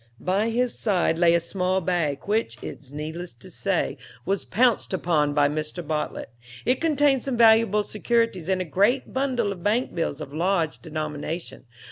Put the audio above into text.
By his side lay a small bag, which, it is needless to say, was pounced upon by Mr. Bartlet. It contained some valuable securities, and a great bundle of bank bills of large denomination.